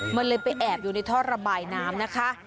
มันเลยไปแอบอยู่ในท่อระบายน้ำนะคะ